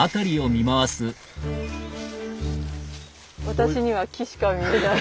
私には木しか見えない。